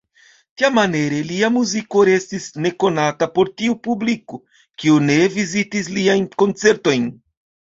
Tiamaniere lia muziko restis nekonata por tiu publiko, kiu ne vizitis liajn koncertojn.